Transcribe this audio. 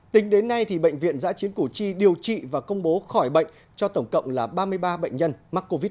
tính đến nay bệnh viện giã chiến củ chi điều trị và công bố khỏi bệnh cho tổng cộng là ba mươi ba bệnh nhân mắc covid một mươi chín